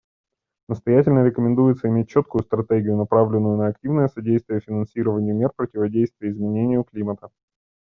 Настоятельно рекомендуется иметь четкую стратегию, направленную на активное содействие финансированию мер противодействия изменению климата.